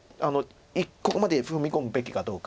ここまで踏み込むべきかどうか。